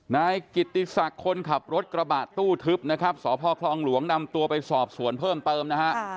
นายกิติศักดิ์คนขับรถกระบะตู้ทึบนะครับสพคลองหลวงนำตัวไปสอบสวนเพิ่มเติมนะฮะ